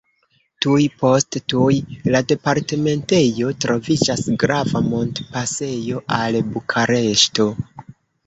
Tuj post tuj la departementejo troviĝas grava montpasejo al Bukareŝto.